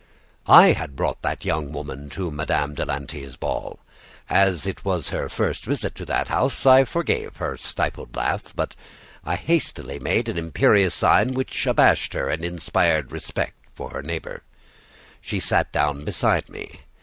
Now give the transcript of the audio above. I had brought that young woman to Madame de Lanty's ball. As it was her first visit to that house, I forgave her her stifled laugh; but I hastily made an imperious sign which abashed her and inspired respect for her neighbor. She sat down beside me.